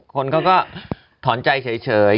คนเขาก็ถอนใจเฉย